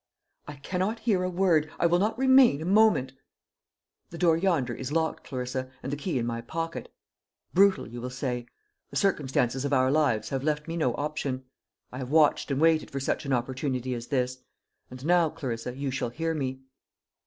"I cannot hear a word! I will not remain a moment!" "The door yonder is locked, Clarissa, and the key in my pocket. Brutal, you will say. The circumstances of our lives have left me no option. I have watched and waited for such an opportunity as this; and now, Clarissa, you shall hear me.